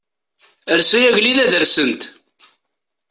Ers ay agellid ad rsent.